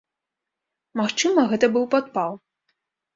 Магчыма, гэта быў падпал.